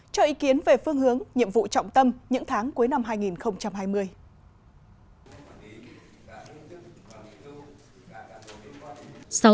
cho ý kiến về phương hướng nhiệm vụ trọng tâm những tháng cuối năm hai nghìn hai mươi